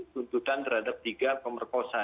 tuntutan terhadap tiga pemerkosa